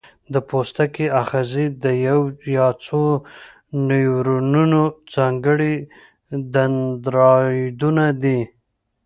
د پوستکي آخذې د یو یا څو نیورونونو ځانګړي دندرایدونه دي.